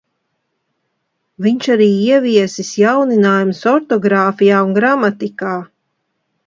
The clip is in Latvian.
Viņš arī ieviesis jauninājumus ortogrāfijā un gramatikā.